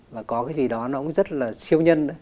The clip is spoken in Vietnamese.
và có cái gì đó nó cũng rất là siêu nhân nữa